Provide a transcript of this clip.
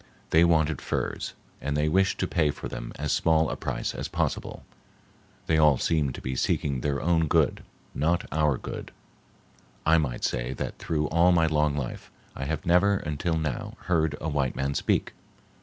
They wanted furs and they wished to pay for them as small a price as possible. They all seemed to be seeking their own good—not our good. I might say that through all my long life I have never until now heard a white man speak.